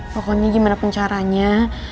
pokoknya gimana pun caranya